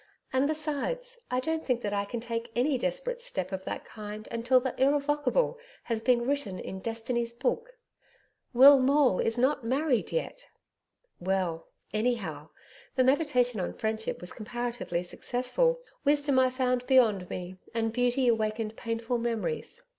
And, besides, I don't feel that I can take any desperate step of that kind until the Irrevocable has been written in Destiny's Book. Will Maule is not married yet. Well, anyhow, the meditation on Friendship was comparatively successful. Wisdom I found beyond me, and Beauty awakened painful memories.